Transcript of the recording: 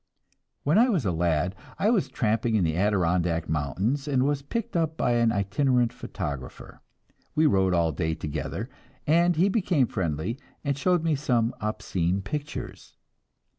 When I was a lad, I was tramping in the Adirondack mountains and was picked up by an itinerant photographer. We rode all day together, and he became friendly, and showed me some obscene pictures.